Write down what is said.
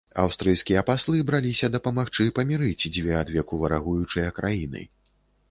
Аўстрыйскія паслы браліся дапамагчы памірыць дзве адвеку варагуючыя краіны.